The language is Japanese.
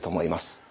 はい。